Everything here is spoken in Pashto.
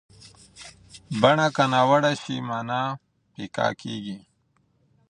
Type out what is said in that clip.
بڼه که ناوړه شي، معنا پیکه کېږي.